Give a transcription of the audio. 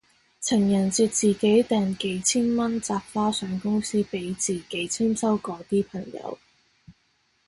情人節自己訂幾千蚊紮花上公司俾自己簽收嗰啲朋友